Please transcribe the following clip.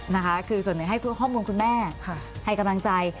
นะคะคือส่วนหนึ่งให้ข้อมูลคุณแม่ให้กำลังใจ